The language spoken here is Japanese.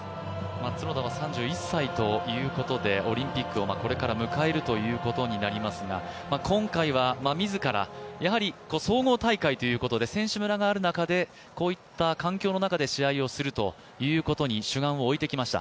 角田は３１歳ということで、オリンピックをこれから迎えるということになりますが今回は自ら、やはり総合大会ということで選手村がある中で、こういった環境の中で試合をするということに主眼を置いてきました。